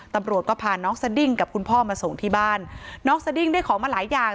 ตำรวจก็พาน้องสดิ้งกับคุณพ่อมาส่งที่บ้านน้องสดิ้งได้ของมาหลายอย่าง